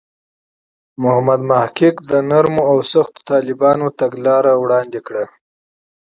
محمد محق د نرمو او سختو طالبانو طرح مطرح کړه.